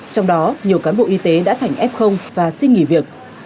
trong đó nhiều cán bộ y tế đã thành f và xin nghỉ việc